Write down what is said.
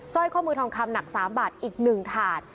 ร้อยข้อมือทองคำหนัก๓บาทอีก๑ถาด